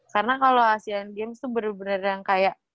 karena kalo asian games tuh bener bener yang kayak